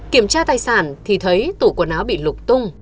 kiểm tra tài sản thì thấy tủ quần áo bị lục tung